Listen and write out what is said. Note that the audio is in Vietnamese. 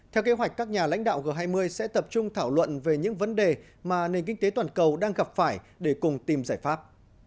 theo kế hoạch các nhà lãnh đạo g hai mươi sẽ tập trung thảo luận về những vấn đề mà nền kinh tế toàn cầu đang gặp phải để cùng tìm giải pháp